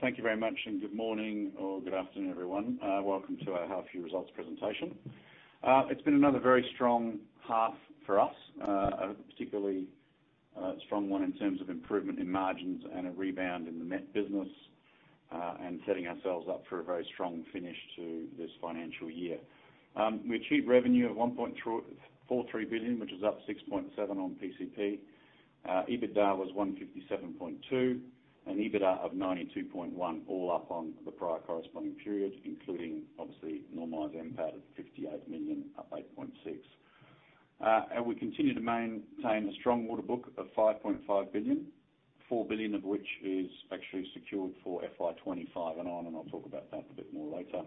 Thank you very much, and good morning or good afternoon, everyone. Welcome to our Half Year Results presentation. It's been another very strong half for us, a particularly strong one in terms of improvement in margins and a rebound in the MET business and setting ourselves up for a very strong finish to this financial year. We achieved revenue of 1.43 billion, which is up 6.7% on PCP. EBITDA was 157.2 million and EBITDA of 92.1 million, all up on the prior corresponding period, including, obviously, normalized NPAT at 58 million up 8.6%. And we continue to maintain a strong workbook of 5.5 billion, 4 billion of which is actually secured for FY25 and on, and I'll talk about that a bit more later.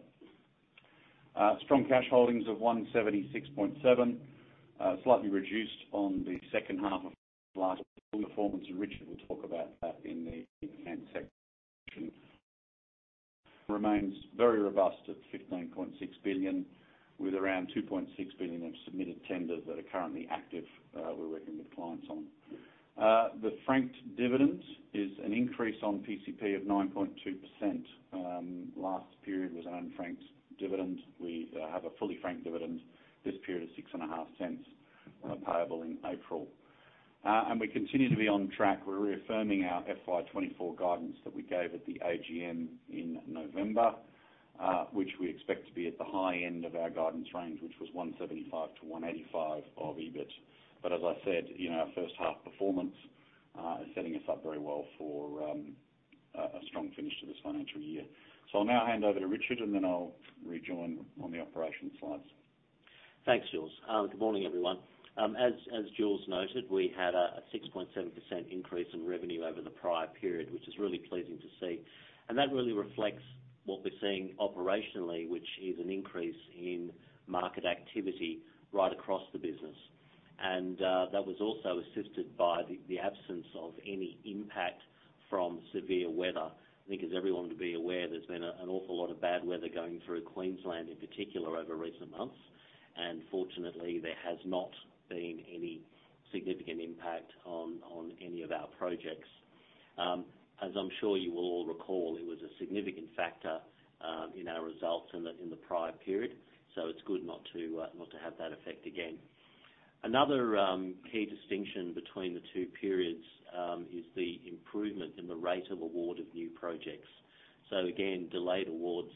Strong cash holdings of 176.7 million, slightly reduced on the second half of last year. Performance, and Richard will talk about that in the appendix section. Remains very robust at 15.6 billion, with around 2.6 billion of submitted tenders that are currently active we're working with clients on. The franked dividend is an increase on PCP of 9.2%. Last period was an unfranked dividend. We have a fully franked dividend. This period is AUD 0.065 payable in April. We continue to be on track. We're reaffirming our FY24 guidance that we gave at the AGM in November, which we expect to be at the high end of our guidance range, which was 175–185 million of EBIT. But as I said, our first half performance is setting us up very well for a strong finish to this financial year. So I'll now hand over to Richard, and then I'll rejoin on the operations slides. Thanks, Jules. Good morning, everyone. As Jules noted, we had a 6.7% increase in revenue over the prior period, which is really pleasing to see. That really reflects what we're seeing operationally, which is an increase in market activity right across the business. That was also assisted by the absence of any impact from severe weather. I think as everyone would be aware, there's been an awful lot of bad weather going through Queensland in particular over recent months, and fortunately, there has not been any significant impact on any of our projects. As I'm sure you will all recall, it was a significant factor in our results in the prior period, so it's good not to have that effect again. Another key distinction between the two periods is the improvement in the rate of award of new projects. So again, delayed awards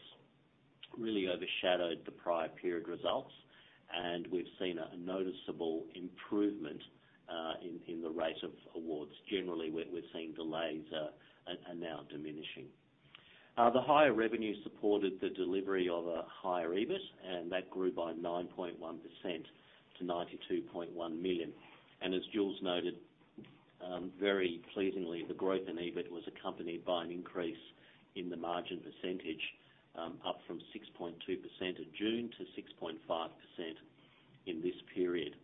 really overshadowed the prior period results, and we've seen a noticeable improvement in the rate of awards. Generally, we're seeing delays are now diminishing. The higher revenue supported the delivery of a higher EBIT, and that grew by 9.1% to 92.1 million. And as Jules noted, very pleasingly, the growth in EBIT was accompanied by an increase in the margin percentage, up from 6.2% in June to 6.5% in this period.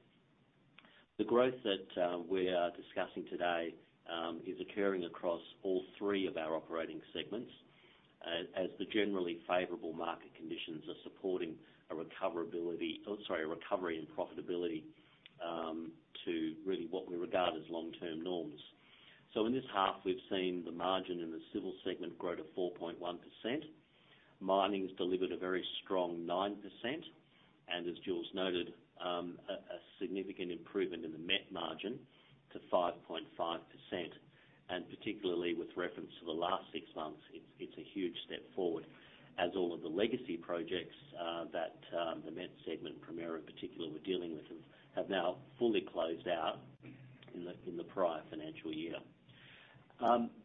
The growth that we are discussing today is occurring across all three of our operating segments, as the generally favorable market conditions are supporting a recovery and profitability to really what we regard as long-term norms. So in this half, we've seen the margin in the Civil segment grow to 4.1%. Mining has delivered a very strong 9%, and as Jules noted, a significant improvement in the net margin to 5.5%. Particularly with reference to the last six months, it's a huge step forward, as all of the legacy projects that the NRW segment, Primero in particular, were dealing with have now fully closed out in the prior financial year.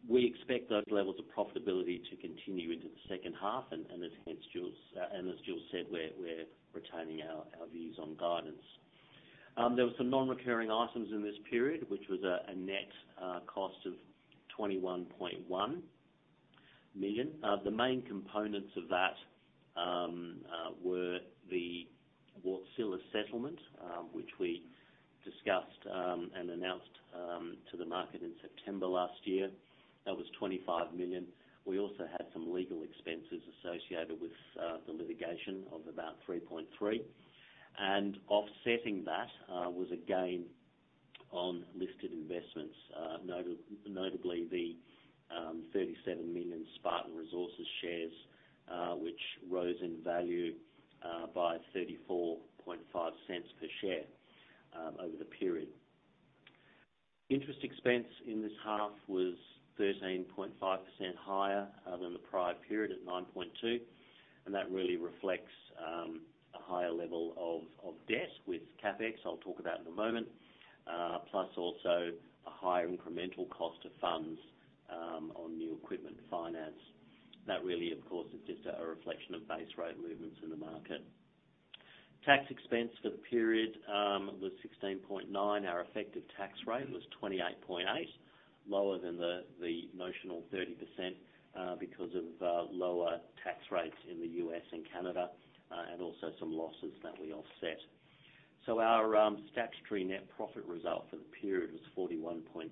We expect those levels of profitability to continue into the second half, and as Jules said, we're retaining our views on guidance. There were some non-recurring items in this period, which was a net cost of 21.1 million. The main components of that were the Wärtsilä settlement, which we discussed and announced to the market in September last year. That was 25 million. We also had some legal expenses associated with the litigation of about 3.3 million. Offsetting that was a gain on listed investments, notably the 37 million Spartan Resources shares, which rose in value by 0.345 per share over the period. Interest expense in this half was 13.5% higher than the prior period at 9.2 million, and that really reflects a higher level of debt with CapEx - I'll talk about it in a moment - plus also a higher incremental cost of funds on new equipment finance. That really, of course, is just a reflection of base rate movements in the market. Tax expense for the period was 16.9 million. Our effective tax rate was 28.8%, lower than the notional 30% because of lower tax rates in the U.S. and Canada and also some losses that we offset. So our statutory net profit result for the period was 41.7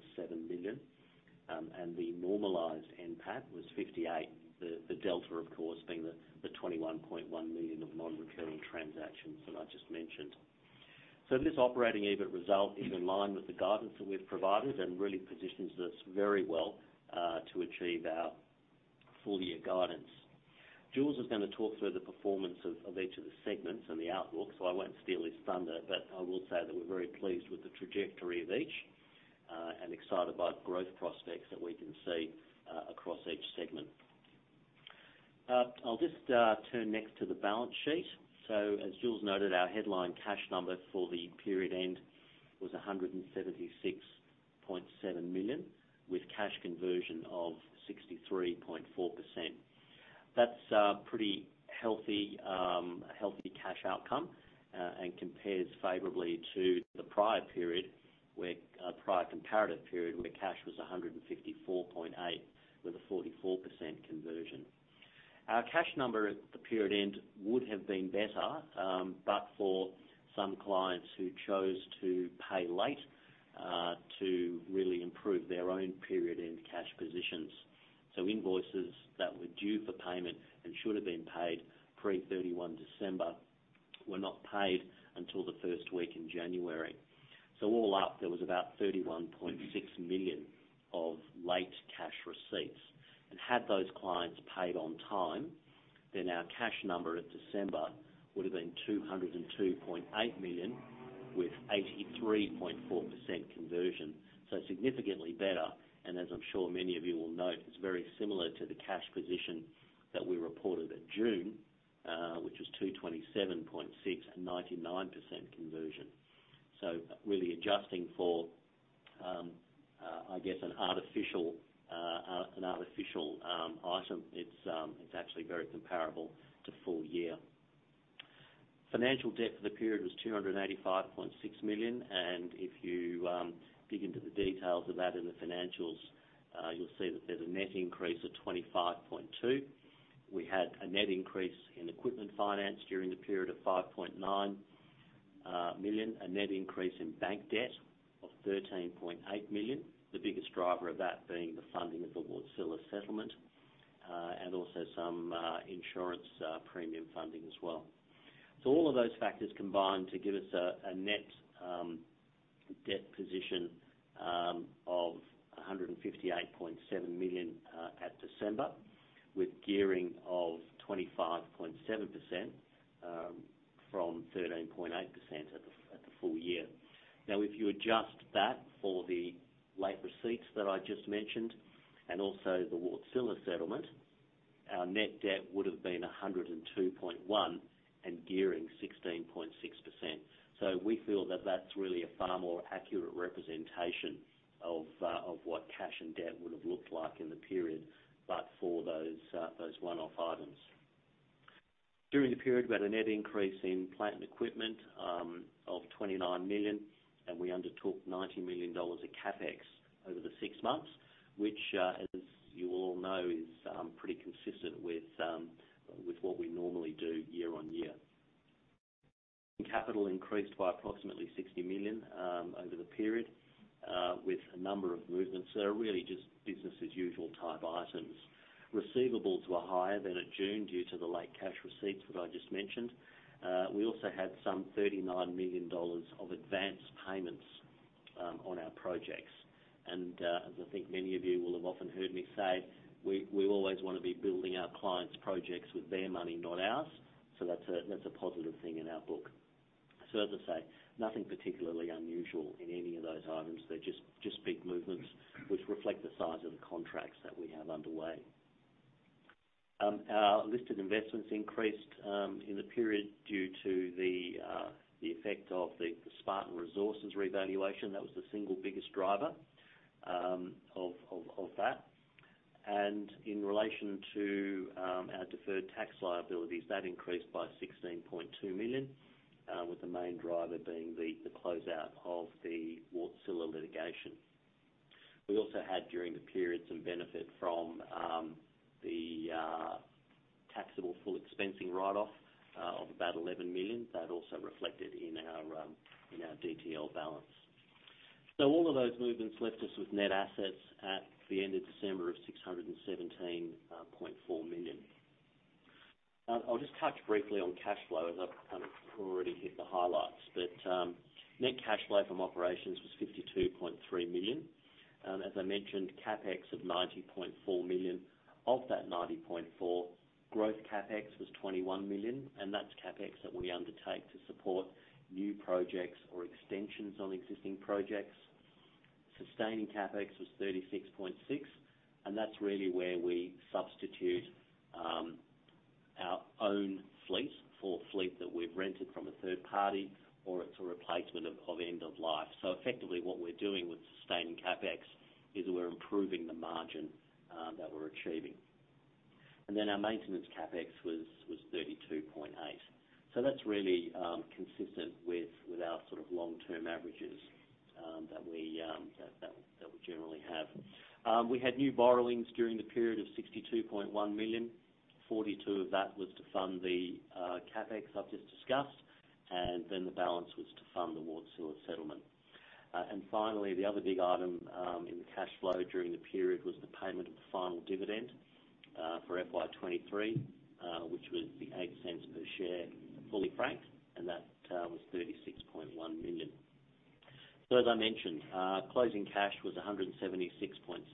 million, and the normalised NPAT was 58 million, the delta, of course, being the 21.1 million of non-recurring transactions that I just mentioned. So this operating EBIT result is in line with the guidance that we've provided and really positions us very well to achieve our full-year guidance. Jules is going to talk through the performance of each of the segments and the outlook, so I won't steal his thunder, but I will say that we're very pleased with the trajectory of each and excited by growth prospects that we can see across each segment. I'll just turn next to the balance sheet. So as Jules noted, our headline cash number for the period end was 176.7 million with cash conversion of 63.4%. That's a pretty healthy cash outcome and compares favorably to the prior comparative period where cash was 154.8 million with a 44% conversion. Our cash number at the period end would have been better, but for some clients who chose to pay late to really improve their own period-end cash positions. So invoices that were due for payment and should have been paid pre-31 December were not paid until the first week in January. So all up, there was about 31.6 million of late cash receipts. And had those clients paid on time, then our cash number in December would have been 202.8 million with 83.4% conversion, so significantly better. And as I'm sure many of you will note, it's very similar to the cash position that we reported at June, which was 227.6 million, a 99% conversion. So really adjusting for, I guess, an artificial item, it's actually very comparable to full year. Financial debt for the period was 285.6 million, and if you dig into the details of that in the financials, you'll see that there's a net increase of 25.2 million. We had a net increase in equipment finance during the period of 5.9 million, a net increase in bank debt of 13.8 million, the biggest driver of that being the funding of the Wärtsilä settlement and also some insurance premium funding as well. So all of those factors combined to give us a net debt position of 158.7 million at December with gearing of 25.7% from 13.8% at the full year. Now, if you adjust that for the late receipts that I just mentioned and also the Wärtsilä settlement, our net debt would have been 102.1 million and gearing 16.6%. So we feel that that's really a far more accurate representation of what cash and debt would have looked like in the period but for those one-off items. During the period, we had a net increase in plant and equipment of 29 million, and we undertook 90 million dollars of CapEx over the six months, which, as you will all know, is pretty consistent with what we normally do year-over-year. Capital increased by approximately 60 million over the period with a number of movements, so really just business-as-usual type items. Receivables were higher than at June due to the late cash receipts that I just mentioned. We also had some 39 million dollars of advance payments on our projects. And as I think many of you will have often heard me say, we always want to be building our clients' projects with their money, not ours, so that's a positive thing in our book. So as I say, nothing particularly unusual in any of those items. They're just big movements which reflect the size of the contracts that we have underway. Our listed investments increased in the period due to the effect of the Spartan Resources revaluation. That was the single biggest driver of that. And in relation to our deferred tax liabilities, that increased by 16.2 million, with the main driver being the closeout of the Wärtsilä litigation. We also had, during the period, some benefit from the taxable full expensing write-off of about 11 million. That also reflected in our DTL balance. So all of those movements left us with net assets at the end of December of 617.4 million. I'll just touch briefly on cash flow as I've kind of already hit the highlights, but net cash flow from operations was 52.3 million. As I mentioned, CapEx of 90.4 million. Of that 90.4 million, growth CapEx was 21 million, and that's CapEx that we undertake to support new projects or extensions on existing projects. Sustaining CapEx was 36.6 million, and that's really where we substitute our own fleet for a fleet that we've rented from a third party, or it's a replacement of end-of-life. So effectively, what we're doing with sustaining CapEx is we're improving the margin that we're achieving. And then our maintenance CapEx was 32.8 million. So that's really consistent with our sort of long-term averages that we generally have. We had new borrowings during the period of 62.1 million. 42 million of that was to fund the CapEx I've just discussed, and then the balance was to fund the Wärtsilä settlement. Finally, the other big item in the cash flow during the period was the payment of the final dividend for FY 2023, which was 0.08 per share fully franked, and that was 36.1 million. As I mentioned, closing cash was 176.7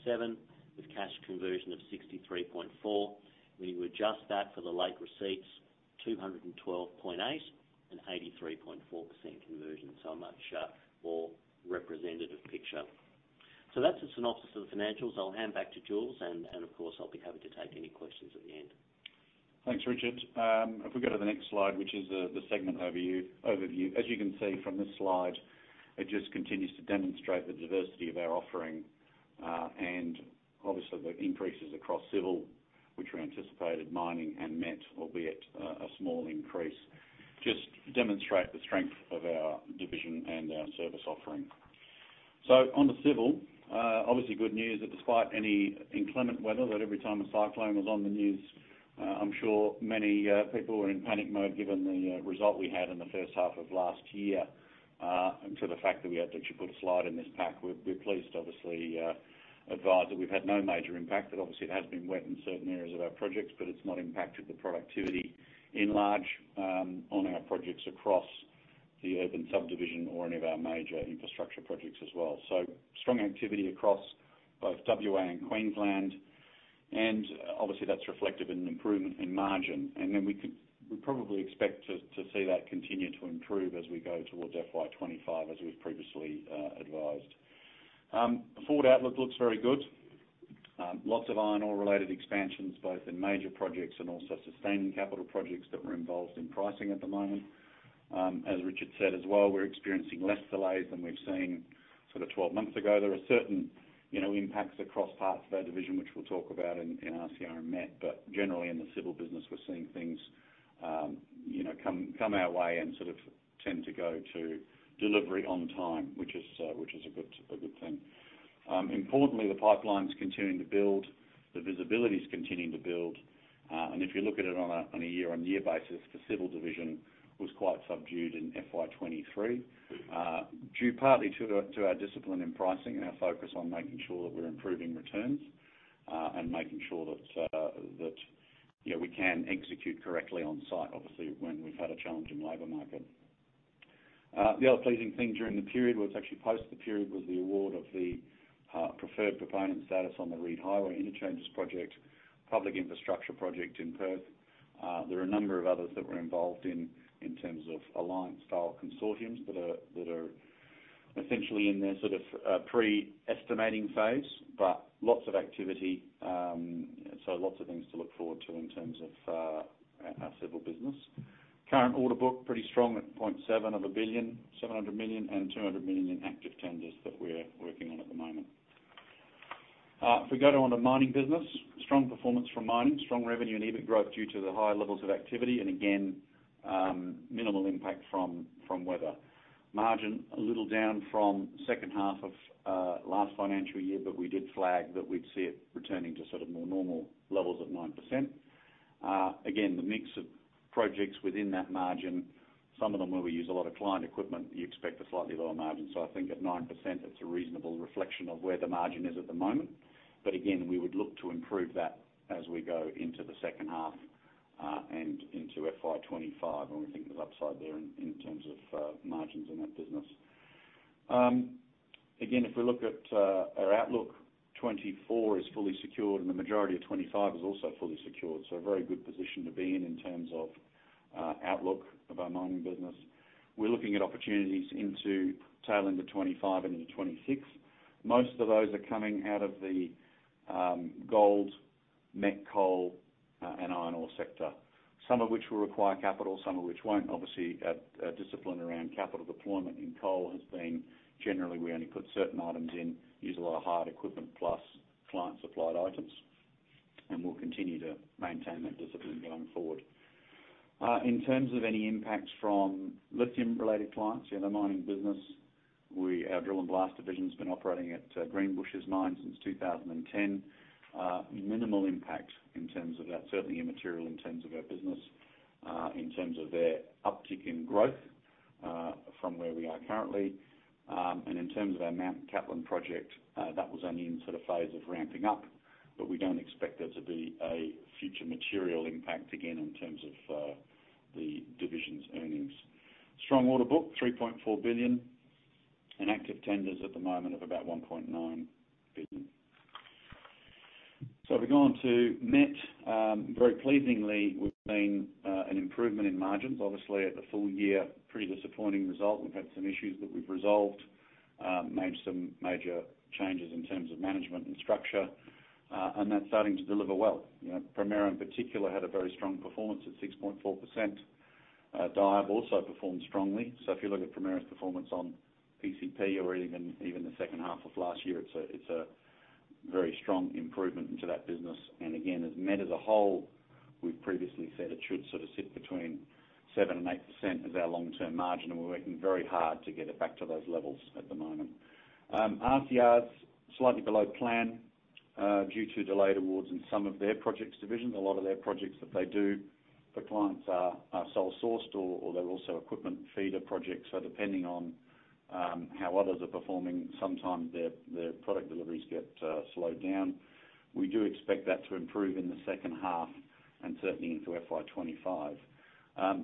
million with cash conversion of 63.4%. When you adjust that for the late receipts, 212.8 million and 83.4% conversion, so a much more representative picture. That's the synopsis of the financials. I'll hand back to Jules, and of course, I'll be happy to take any questions at the end. Thanks, Richard. If we go to the next slide, which is the segment overview, as you can see from this slide, it just continues to demonstrate the diversity of our offering and obviously the increases across Civil, which we anticipated, Mining, and MET, albeit a small increase, just demonstrate the strength of our division and our service offering. So on the Civil, obviously good news that despite any inclement weather, that every time a cyclone was on the news, I'm sure many people were in panic mode given the result we had in the first half of last year and to the fact that we had to actually put a slide in this pack. We're pleased, obviously, to advise that we've had no major impact, that obviously it has been wet in certain areas of our projects, but it's not impacted the productivity largely on our projects across the urban subdivision or any of our major infrastructure projects as well. So strong activity across both WA and Queensland, and obviously that's reflective in improvement in margin. And then we probably expect to see that continue to improve as we go towards FY25, as we've previously advised. Forward outlook looks very good. Lots of iron ore-related expansions both in major projects and also sustaining capital projects that we're involved in pricing at the moment. As Richard said as well, we're experiencing less delays than we've seen sort of 12 months ago. There are certain impacts across parts of our division, which we'll talk about in RCR and MET, but generally in the Civil business, we're seeing things come our way and sort of tend to go to delivery on time, which is a good thing. Importantly, the pipeline's continuing to build. The visibility's continuing to build. And if you look at it on a year-on-year basis, the Civil division was quite subdued in FY23 due partly to our discipline in pricing and our focus on making sure that we're improving returns and making sure that we can execute correctly on site, obviously, when we've had a challenge in the labor market. The other pleasing thing during the period, well, it's actually post the period, was the award of the preferred proponent status on the Reid Highway Interchanges project, public infrastructure project in Perth. There are a number of others that were involved in terms of alliance-style consortiums that are essentially in their sort of pre-estimating phase, but lots of activity, so lots of things to look forward to in terms of our Civil business. Current order book pretty strong at 0.7 billion, 700 million, and 200 million in active tenders that we're working on at the moment. If we go to on the Mining business, strong performance from Mining, strong revenue and EBIT growth due to the high levels of activity and, again, minimal impact from weather. Margin a little down from second half of last financial year, but we did flag that we'd see it returning to sort of more normal levels at 9%. Again, the mix of projects within that margin, some of them where we use a lot of client equipment, you expect a slightly lower margin. So I think at 9%, it's a reasonable reflection of where the margin is at the moment. But again, we would look to improve that as we go into the second half and into FY25 when we think there's upside there in terms of margins in that business. Again, if we look at our outlook, 2024 is fully secured, and the majority of 2025 is also fully secured, so a very good position to be in in terms of outlook of our Mining business. We're looking at opportunities tailing to 2025 and into 2026. Most of those are coming out of the gold, met coal, and iron ore sector, some of which will require capital, some of which won't. Obviously, our discipline around capital deployment in coal has been generally we only put certain items in, use a lot of hard equipment plus client-supplied items, and we'll continue to maintain that discipline going forward. In terms of any impacts from lithium-related clients, the Mining business, our drill and blast division's been operating at Greenbushes mine since 2010. Minimal impact in terms of that, certainly immaterial in terms of our business in terms of their uptick in growth from where we are currently. And in terms of our Mount Holland project, that was only in sort of phase of ramping up, but we don't expect there to be a future material impact again in terms of the division's earnings. Strong order book, 3.4 billion, and active tenders at the moment of about 1.9 billion. So if we go on to MET, very pleasingly, we've seen an improvement in margins. Obviously, at the full year, pretty disappointing result. We've had some issues that we've resolved, made some major changes in terms of management and structure, and that's starting to deliver well. Primero, in particular, had a very strong performance at 6.4%. DIAB also performed strongly. So if you look at Primero's performance on PCP or even the second half of last year, it's a very strong improvement into that business. And again, as MET as a whole, we've previously said it should sort of sit between 7%-8% as our long-term margin, and we're working very hard to get it back to those levels at the moment. RCR's slightly below plan due to delayed awards in some of their projects' divisions. A lot of their projects that they do for clients are sole-sourced or they're also equipment feeder projects, so depending on how others are performing, sometimes their product deliveries get slowed down. We do expect that to improve in the second half and certainly into FY25.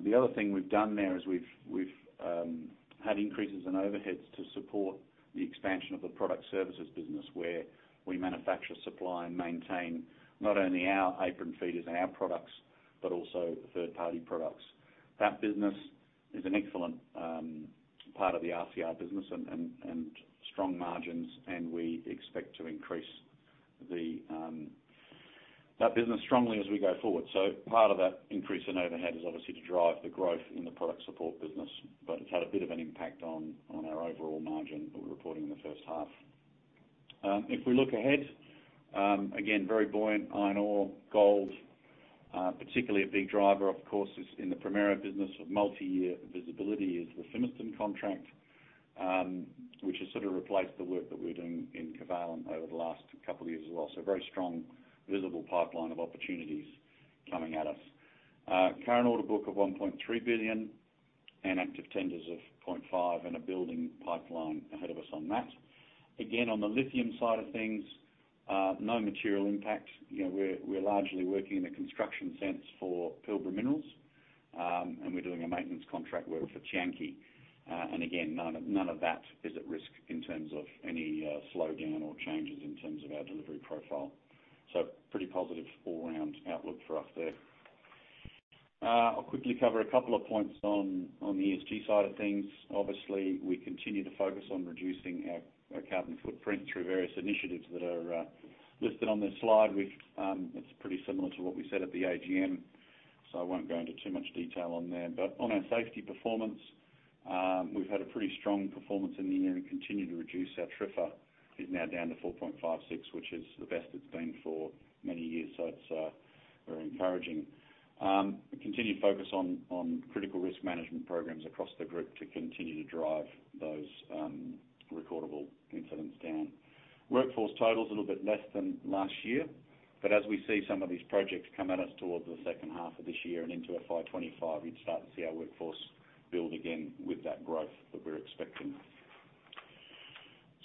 The other thing we've done there is we've had increases in overheads to support the expansion of the product services business where we manufacture, supply, and maintain not only our apron feeders and our products but also third-party products. That business is an excellent part of the RCR business and strong margins, and we expect to increase that business strongly as we go forward. So part of that increase in overhead is obviously to drive the growth in the product support business, but it's had a bit of an impact on our overall margin that we're reporting in the first half. If we look ahead, again, very buoyant iron ore, gold, particularly a big driver, of course, is in the Primero business. Multi-year visibility is the Fimiston contract, which has sort of replaced the work that we're doing in Covalent over the last couple of years as well. So very strong visible pipeline of opportunities coming at us. Current order book of 1.3 billion and active tenders of 0.5 billion and a building pipeline ahead of us on that. Again, on the lithium side of things, no material impact. We're largely working in a construction sense for Pilbara Minerals, and we're doing a maintenance contract work for Tianqi. And again, none of that is at risk in terms of any slowdown or changes in terms of our delivery profile. So pretty positive all-round outlook for us there. I'll quickly cover a couple of points on the ESG side of things. Obviously, we continue to focus on reducing our carbon footprint through various initiatives that are listed on this slide. It's pretty similar to what we said at the AGM, so I won't go into too much detail on there. But on our safety performance, we've had a pretty strong performance in the year and continue to reduce our TRIFR. It's now down to 4.56, which is the best it's been for many years, so it's very encouraging. Continued focus on critical risk management programs across the group to continue to drive those recordable incidents down. Workforce total's a little bit less than last year, but as we see some of these projects come at us towards the second half of this year and into FY25, you'd start to see our workforce build again with that growth that we're expecting.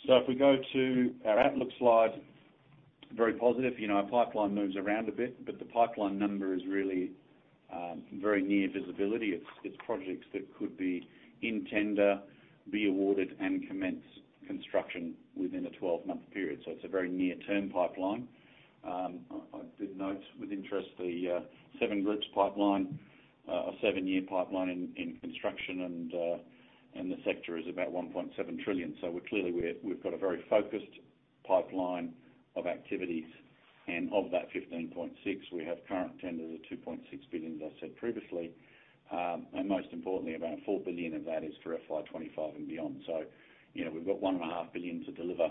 So if we go to our outlook slide, very positive. Our pipeline moves around a bit, but the pipeline number is really very near visibility. It's projects that could be in tender, be awarded, and commence construction within a 12-month period, so it's a very near-term pipeline. I did note with interest the Seven Group's pipeline, a 7-year pipeline in construction, and the sector is about 1.7 trillion. So clearly, we've got a very focused pipeline of activities, and of that 15.6 billion, we have current tenders of 2.6 billion, as I said previously, and most importantly, about 4 billion of that is for FY25 and beyond. So we've got 1.5 billion to deliver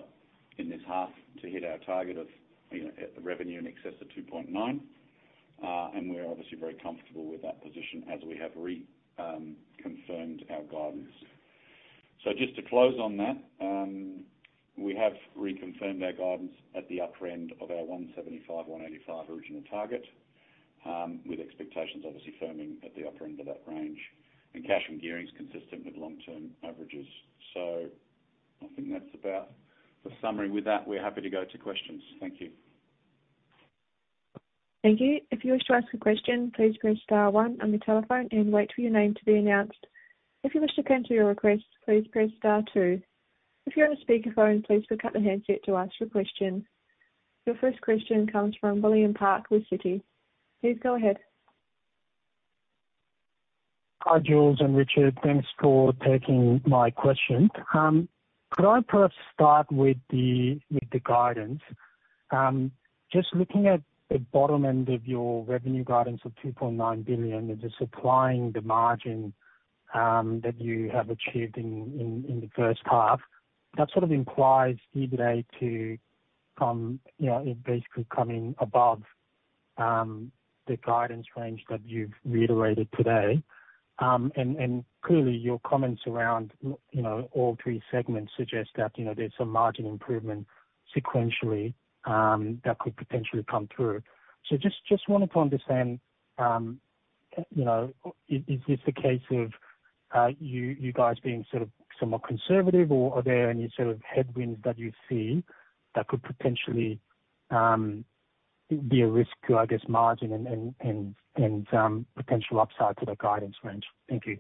in this half to hit our target of revenue in excess of 2.9 billion, and we're obviously very comfortable with that position as we have reconfirmed our guidance. So just to close on that, we have reconfirmed our guidance at the upper end of our 175-185 original target with expectations, obviously, firming at the upper end of that range and cash and gearing's consistent with long-term averages. So I think that's about the summary. With that, we're happy to go to questions. Thank you. Thank you. If you wish to ask a question, please press star one on the telephone and wait for your name to be announced. If you wish to cancel your request, please press star two. If you're on a speakerphone, please pick up the handset to ask your question. Your first question comes from William Park with Citi. Please go ahead. Hi, Jules and Richard. Thanks for taking my question. Could I perhaps start with the guidance? Just looking at the bottom end of your revenue guidance of 2.9 billion and just applying the margin that you have achieved in the first half, that sort of implies EBITDA to basically coming above the guidance range that you've reiterated today. And clearly, your comments around all three segments suggest that there's some margin improvement sequentially that could potentially come through. So just wanted to understand, is this the case of you guys being sort of somewhat conservative, or are there any sort of headwinds that you see that could potentially be a risk to, I guess, margin and potential upside to the guidance range? Thank you.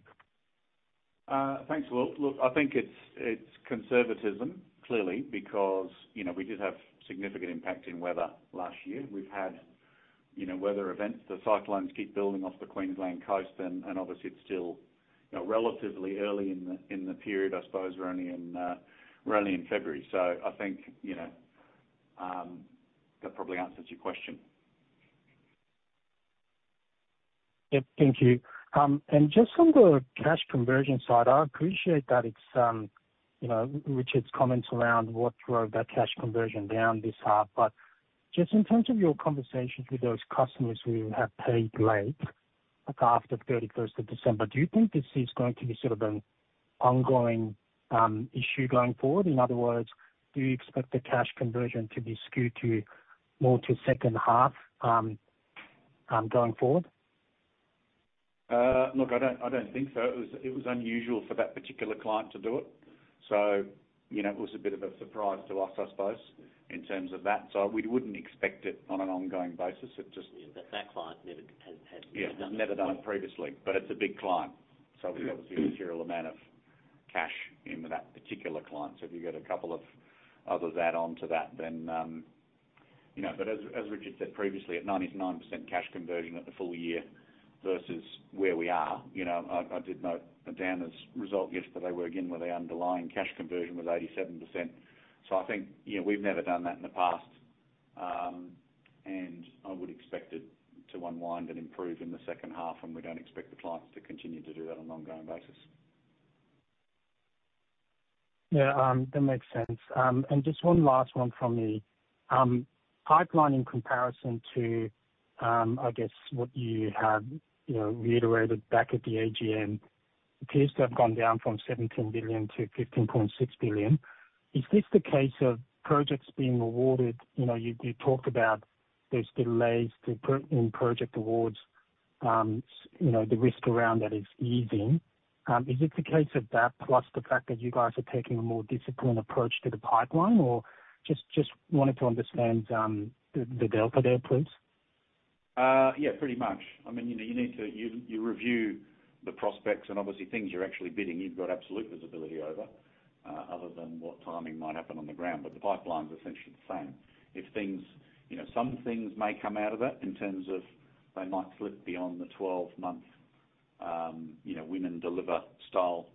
Thanks, Will. Look, I think it's conservatism, clearly, because we did have significant impact in weather last year. We've had weather events. The cyclones keep building off the Queensland coast, and obviously, it's still relatively early in the period. I suppose we're only in February. So I think that probably answers your question. Yep. Thank you. And just on the cash conversion side, I appreciate that it's Richard's comments around what drove that cash conversion down this half, but just in terms of your conversations with those customers who have paid late after 31st of December, do you think this is going to be sort of an ongoing issue going forward? In other words, do you expect the cash conversion to be skewed more to second half going forward? Look, I don't think so. It was unusual for that particular client to do it, so it was a bit of a surprise to us, I suppose, in terms of that. So we wouldn't expect it on an ongoing basis. It just. That client never had. Yeah. Never done it previously, but it's a big client, so it was obviously a material amount of cash in that particular client. So if you get a couple of others add on to that, then but as Richard said previously, at 99% cash conversion at the full year versus where we are. I did note a Downer's result yesterday. We're again where the underlying cash conversion was 87%. So I think we've never done that in the past, and I would expect it to unwind and improve in the second half, and we don't expect the clients to continue to do that on an ongoing basis. Yeah. That makes sense. And just one last one from me. Pipeline in comparison to, I guess, what you have reiterated back at the AGM, appears to have gone down from 17 billion to 15.6 billion. Is this the case of projects being awarded? You talked about those delays in project awards, the risk around that is easing. Is it the case of that plus the fact that you guys are taking a more disciplined approach to the pipeline, or? Just wanted to understand the delta there, please. Yeah. Pretty much. I mean, you need to review the prospects and obviously things you're actually bidding. You've got absolute visibility over other than what timing might happen on the ground, but the pipeline's essentially the same. Some things may come out of that in terms of they might slip beyond the 12-month win-deliver style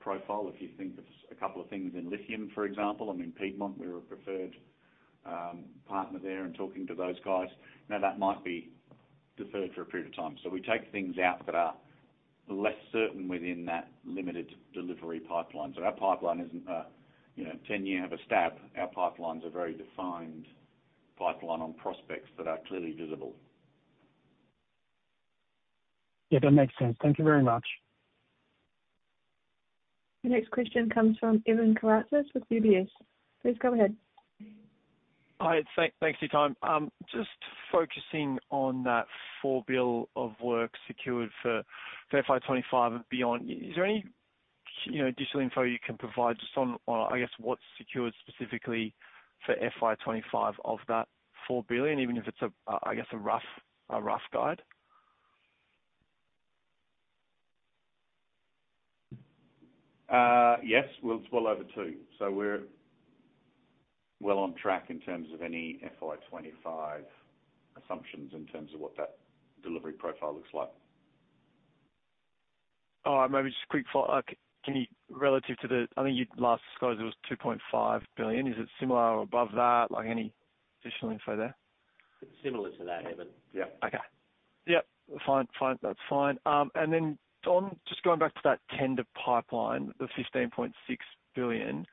profile. If you think of a couple of things in lithium, for example, I mean, Piedmont, we were a preferred partner there in talking to those guys. Now, that might be deferred for a period of time. So we take things out that are less certain within that limited delivery pipeline. So our pipeline isn't a 10-year have a stab. Our pipelines are very defined pipeline on prospects that are clearly visible. Yeah. That makes sense. Thank you very much. The next question comes from Evan Karatzas with UBS. Please go ahead. Hi. Thanks for your time. Just focusing on that 4 billion of work secured for FY25 and beyond, is there any additional info you can provide just on, I guess, what's secured specifically for FY25 of that 4 billion, even if it's a, I guess, a rough guide? Yes. Well, it's well over two. So we're well on track in terms of any FY25 assumptions in terms of what that delivery profile looks like. Oh, maybe just quick follow-up. Relative to the I think you last disclosed it was 2.5 billion. Is it similar or above that? Any additional info there? Similar to that, Evan. Yep. Okay. Yep. Fine. Fine. That's fine. And then just going back to that tender pipeline, the 15.6 billion,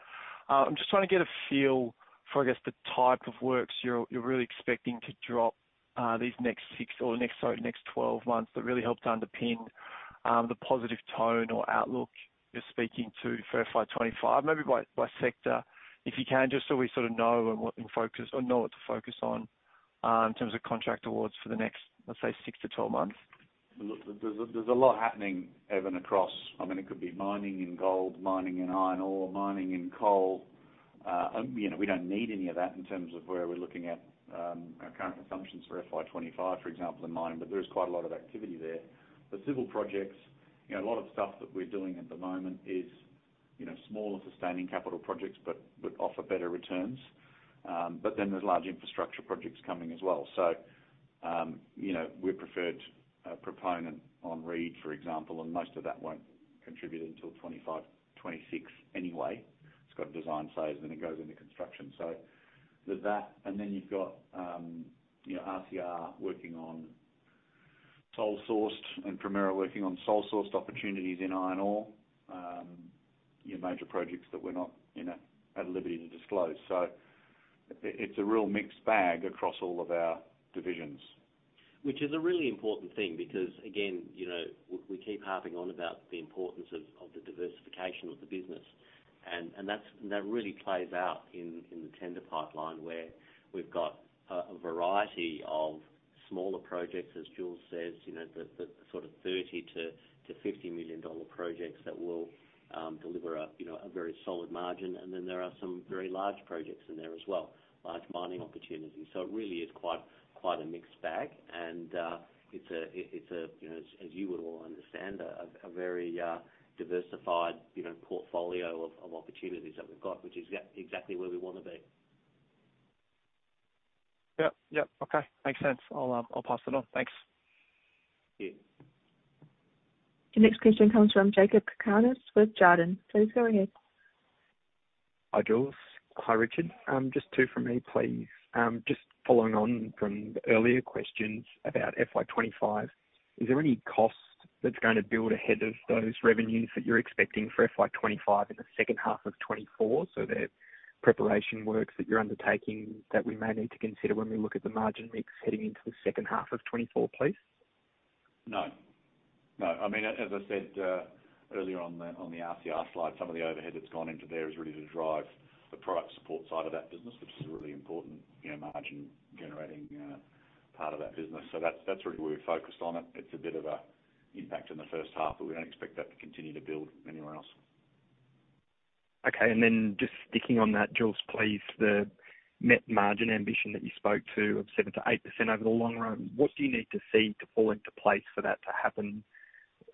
I'm just trying to get a feel for, I guess, the type of works you're really expecting to drop these next 6 or sorry, next 12 months that really help to underpin the positive tone or outlook you're speaking to for FY25, maybe by sector, if you can, just so we sort of know and know what to focus on in terms of contract awards for the next, let's say, 6-12 months. Look, there's a lot happening, Evan, across. I mean, it could be mining in gold, mining in iron ore, mining in coal. We don't need any of that in terms of where we're looking at our current assumptions for FY25, for example, in Mining, but there is quite a lot of activity there. The Civil projects, a lot of stuff that we're doing at the moment is smaller sustaining capital projects but would offer better returns. But then there's large infrastructure projects coming as well. So we're a preferred proponent on Reid, for example, and most of that won't contribute until 2025, 2026 anyway. It's got a design phase, and it goes into construction. So there's that. And then you've got RCR working on sole-sourced and Primero working on sole-sourced opportunities in iron ore, major projects that we're not at liberty to disclose. It's a real mixed bag across all of our divisions. Which is a really important thing because, again, we keep harping on about the importance of the diversification of the business, and that really plays out in the tender pipeline where we've got a variety of smaller projects, as Jules says, the sort of 30 million-50 million dollar projects that will deliver a very solid margin, and then there are some very large projects in there as well, large mining opportunities. So it really is quite a mixed bag, and it's a, as you would all understand, a very diversified portfolio of opportunities that we've got, which is exactly where we want to be. Yep. Yep. Okay. Makes sense. I'll pass it on. Thanks. You. The next question comes from Jakob Cakarnis with Jarden. Please go ahead. Hi, Jules. Hi, Richard. Just two from me, please. Just following on from earlier questions about FY25, is there any cost that's going to build ahead of those revenues that you're expecting for FY25 in the second half of 2024, so the preparation works that you're undertaking that we may need to consider when we look at the margin mix heading into the second half of 2024, please? No. No. I mean, as I said earlier on the RCR slide, some of the overhead that's gone into there is really to drive the product support side of that business, which is a really important margin-generating part of that business. So that's really where we're focused on it. It's a bit of an impact in the first half, but we don't expect that to continue to build anywhere else. Okay. And then just sticking on that, Jules, please, the net margin ambition that you spoke to of 7%-8% over the long run, what do you need to see to fall into place for that to happen?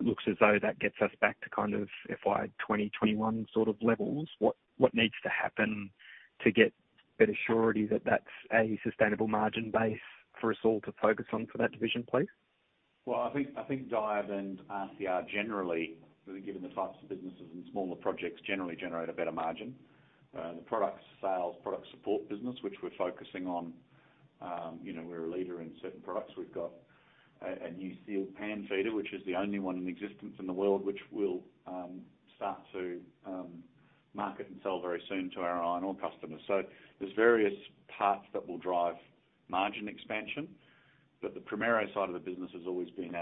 It looks as though that gets us back to kind of FY 2020, 2021 sort of levels. What needs to happen to get better surety that that's a sustainable margin base for us all to focus on for that division, please? Well, I think DIAB and RCR generally, given the types of businesses and smaller projects, generally generate a better margin. The product sales, product support business, which we're focusing on, we're a leader in certain products. We've got a new sealed pan feeder, which is the only one in existence in the world, which we'll start to market and sell very soon to our iron ore customers. So there's various parts that will drive margin expansion, but the Primero side of the business has always been,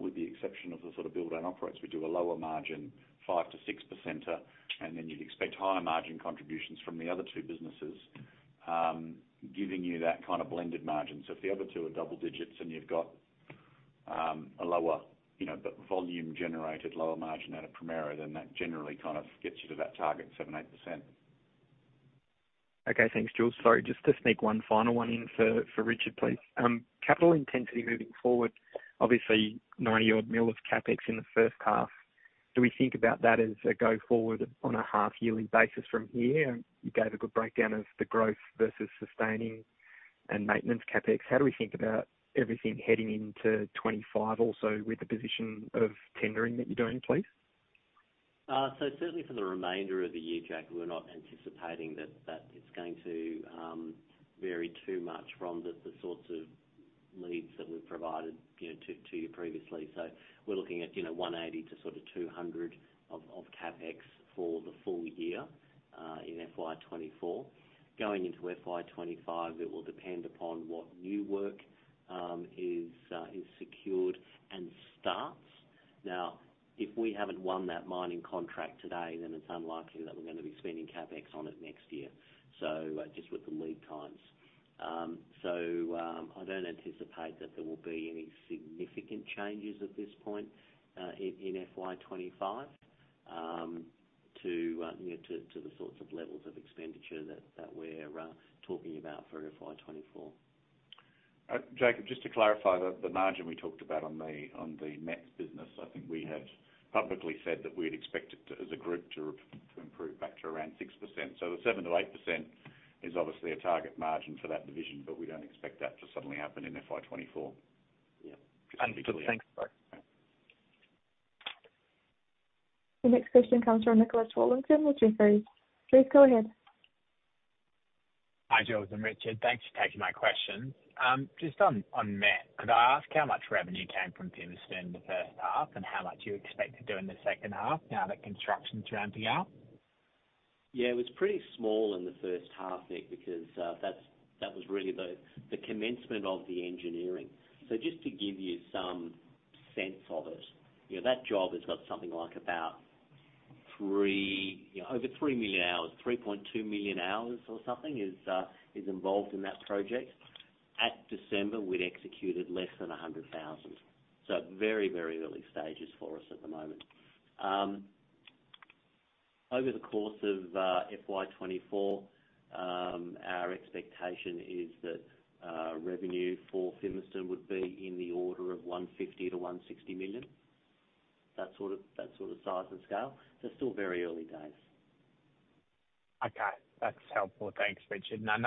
with the exception of the sort of build-and-operates, we do a lower margin, 5%-6%, and then you'd expect higher margin contributions from the other two businesses, giving you that kind of blended margin. So if the other two are double digits and you've got a lower but volume-generated lower margin at a Primero, then that generally kind of gets you to that target, 7%-8%. Okay. Thanks, Jules. Sorry, just to sneak one final one in for Richard, please. Capital intensity moving forward, obviously, 90-odd million of CapEx in the first half. Do we think about that as a go-forward on a half-yearly basis from here? You gave a good breakdown of the growth versus sustaining and maintenance CapEx. How do we think about everything heading into 2025 also with the position of tendering that you're doing, please? Certainly for the remainder of the year, Jack, we're not anticipating that it's going to vary too much from the sorts of leads that we've provided to you previously. We're looking at 180-200 of CapEx for the full year in FY24. Going into FY25, it will depend upon what new work is secured and starts. Now, if we haven't won that Mining contract today, then it's unlikely that we're going to be spending CapEx on it next year, just with the lead times. I don't anticipate that there will be any significant changes at this point in FY25 to the sorts of levels of expenditure that we're talking about for FY24. Jakob, just to clarify, the margin we talked about on the MET business, I think we had publicly said that we'd expect it as a group to improve back to around 6%. So the 7%-8% is obviously a target margin for that division, but we don't expect that to suddenly happen in FY24. Yep. Just to be clear. Thanks, both. The next question comes from Nicholas Hollington with Jefferies. Please go ahead. Hi, Jules and Richard. Thanks for taking my questions. Just on net, could I ask how much revenue came from Primero in the first half and how much you expect to do in the second half now that construction's ramping up? Yeah. It was pretty small in the first half, Nick, because that was really the commencement of the engineering. So just to give you some sense of it, that job has got something like about over 3 million hours, 3.2 million hours or something is involved in that project. At December, we'd executed less than 100,000. So very, very early stages for us at the moment. Over the course of FY24, our expectation is that revenue for Primero's Fimiston would be in the order of 150-160 million, that sort of size and scale. So still very early days. Okay. That's helpful. Thanks, Richard. And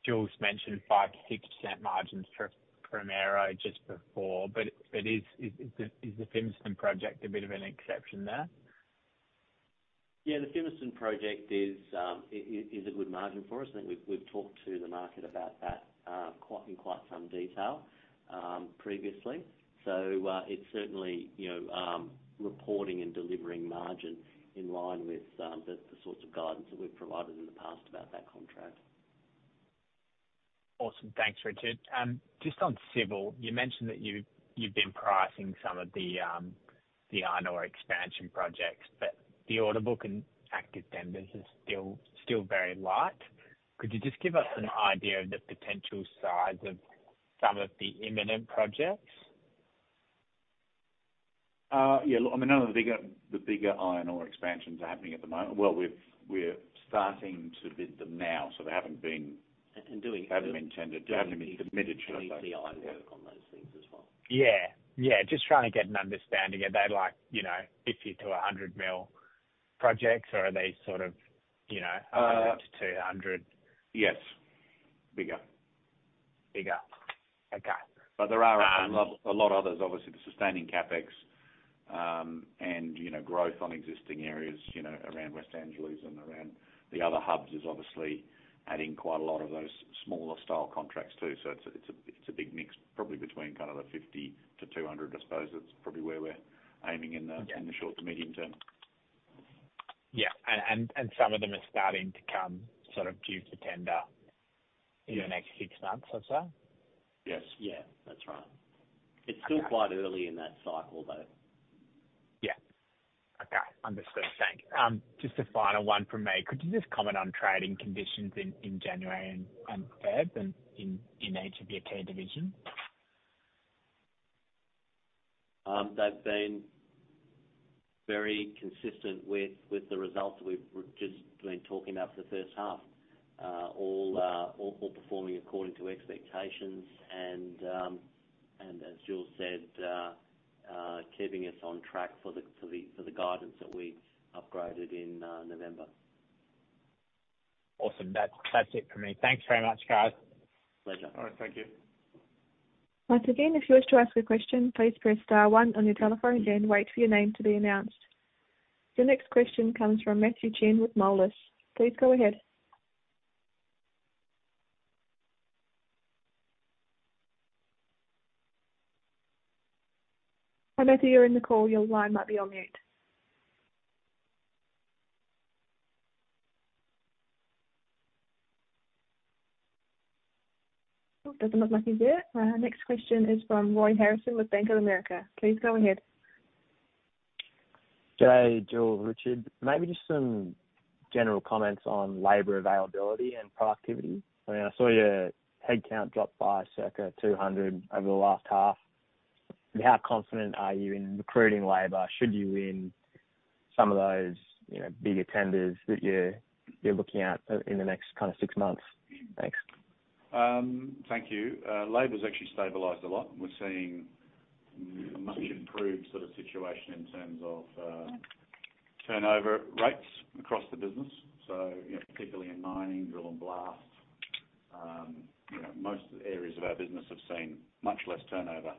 I know Jules mentioned 5%-6% margins for Primero just before, but is the Fimiston project a bit of an exception there? Yeah. The Fimiston project is a good margin for us. I think we've talked to the market about that in quite some detail previously. So it's certainly reporting and delivering margin in line with the sorts of guidance that we've provided in the past about that contract. Awesome. Thanks, Richard. Just on Civil, you mentioned that you've been pricing some of the iron ore expansion projects, but the actual and active tenders are still very light. Could you just give us an idea of the potential size of some of the imminent projects? Yeah. Look, I mean, none of the bigger iron ore expansions are happening at the moment. Well, we're starting to bid them now, so they haven't been. Doing it. Haven't been tendered. They haven't been submitted, should I say. Do you need to see, I work on those things as well? Yeah. Yeah. Just trying to get an understanding. Are they 50 million-100 million projects, or are they sort of 100 million-200 million? Yes. Bigger. Bigger. Okay. But there are a lot others, obviously, the sustaining CapEx and growth on existing areas around Western Australia and around the other hubs is obviously adding quite a lot of those smaller-style contracts too. So it's a big mix, probably between kind of the 50-200, I suppose, that's probably where we're aiming in the short to medium term. Yeah. And some of them are starting to come sort of due for tender in the next six months, I'd say? Yes. Yeah. That's right. It's still quite early in that cycle, though. Yeah. Okay. Understood. Thanks. Just a final one from me. Could you just comment on trading conditions in January and February in each of your key divisions? They've been very consistent with the results that we've just been talking about for the first half, all performing according to expectations and, as Jules said, keeping us on track for the guidance that we upgraded in November. Awesome. That's it from me. Thanks very much, guys. Pleasure. All right. Thank you. Once again, if you wish to ask a question, please press star one on your telephone and then wait for your name to be announced. The next question comes from Matthew Chen with Moelis. Please go ahead. Hi, Matthew. You're in the call. Your line might be on mute. Oh, it doesn't look like he's there. Next question is from Roy Harrison with Bank of America. Please go ahead. G'day, Jules, Richard. Maybe just some general comments on labor availability and productivity. I mean, I saw your headcount drop by circa 200 over the last half. How confident are you in recruiting labor should you win some of those bigger tenders that you're looking at in the next kind of six months? Thanks. Thank you. Labor's actually stabilized a lot. We're seeing a much improved sort of situation in terms of turnover rates across the business, so particularly in Mining, Drill and Blast. Most areas of our business have seen much less turnover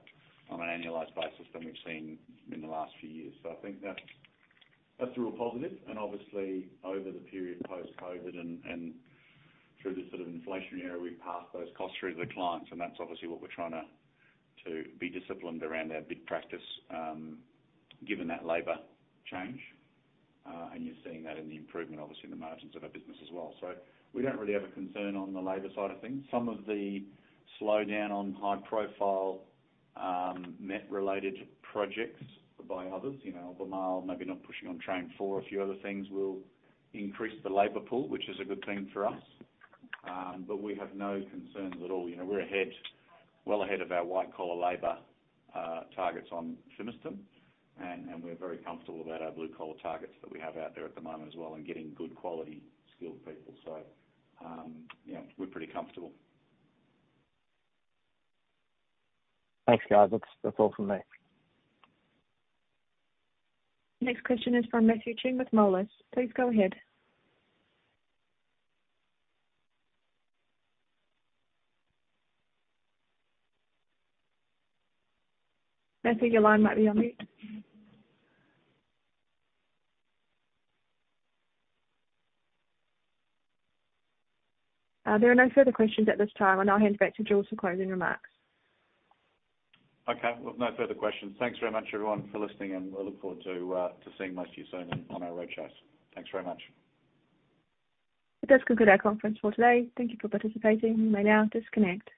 on an annualized basis than we've seen in the last few years. I think that's a real positive. Obviously, over the period post-COVID and through the sort of inflationary era, we've passed those costs through to the clients, and that's obviously what we're trying to be disciplined around their bid practice given that labor change, and you're seeing that in the improvement, obviously, in the margins of our business as well. We don't really have a concern on the labor side of things. Some of the slowdown on high-profile net-related projects by others, BHP, maybe not pushing on Train 4, a few other things, will increase the labor pool, which is a good thing for us, but we have no concerns at all. We're well ahead of our white-collar labor targets on Fimiston, and we're very comfortable about our blue-collar targets that we have out there at the moment as well and getting good-quality skilled people. So we're pretty comfortable. Thanks, guys. That's all from me. Next question is from Matthew Chen with Moelis. Please go ahead. Matthew, your line might be on mute. There are no further questions at this time, and I'll hand it back to Jules for closing remarks. Okay. Well, no further questions. Thanks very much, everyone, for listening, and we'll look forward to seeing most of you soon on our roadshows. Thanks very much. It does conclude our conference for today. Thank you for participating. You may now disconnect.